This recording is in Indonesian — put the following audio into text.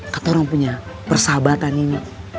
kata orang punya persahabatan ini